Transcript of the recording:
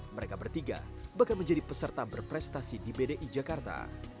mereka bertiga bahkan menjadi peserta berprestasi di bdi jakarta